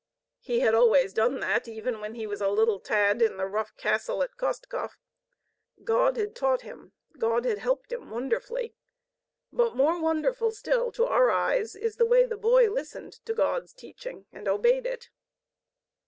He had always done that, even when he was a little tad in the rough castle at Kostkov. God had taught him, God had helped him wonderfully. But more wonderful still to our eyes is the way the boy listened to God's teaching and obeyed it.